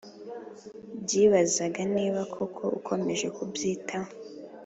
byibazaga niba koko ukomeje kubyitaho